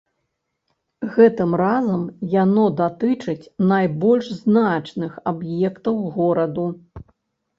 Гэтым разам яно датычыць найбольш значных аб'ектаў гораду.